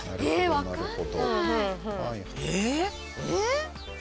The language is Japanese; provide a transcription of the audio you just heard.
分かんない。